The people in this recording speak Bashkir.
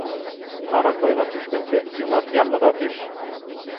Һаран байға төшкәнсе, йомарт ярлыға төш.